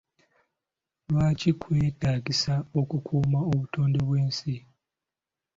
Lwaki kyetaagisa okukuuma obutonde bw'ensi?